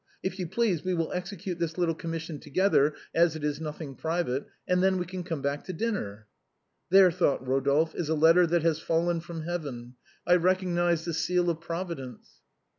If you please, we will execute this little commission together, as it is nothing private, and then we can come back to dinner." " There," thought Eodolphe, " is a letter that has fallen from heaven ; I recognize the seal of Providence."